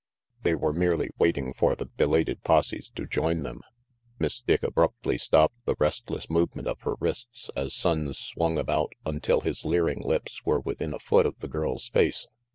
They were merely waiting for the belated posses to join them. Miss Dick abruptly stopped the restless movement of her wrists, as Sonnes swung about until his leering lips were within a foot of the girl's face.